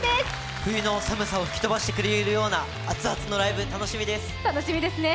冬の寒さを吹き飛ばしてくれるような熱々のライブ、楽しみです。